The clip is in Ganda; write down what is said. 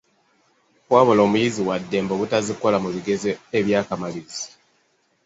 Wabula omuyizi waddembe obutazikola mu bigezo eby’akamalirizo.